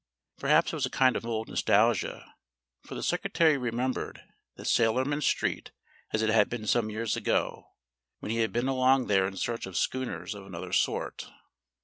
Perhaps it was a kind of old nostalgia, for the Secretary remembered that sailormen's street as it had been some years ago, when he had been along there in search of schooners of another sort.